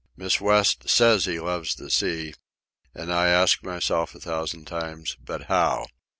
Miss West says he loves the sea. And I ask myself a thousand times, "But how?"